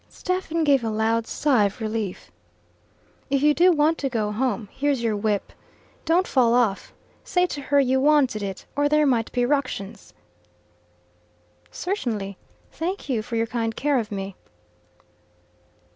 Stephen gave a loud sigh of relief. "If you do want to go home, here's your whip. Don't fall off. Say to her you wanted it, or there might be ructions." "Certainly. Thank you for your kind care of me."